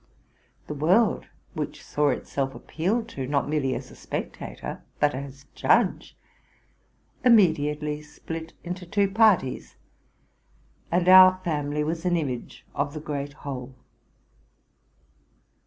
The world, which saw itself appealed to, not merely as spectator, but as judge, immediately split into two parties ; and our family was an image of the great whole.